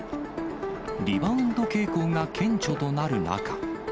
リバウンド傾向が顕著となる中。